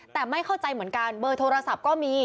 แต่ไม่เข้าใจเหมือนกันเบอร์โทรศัพท์ก็มี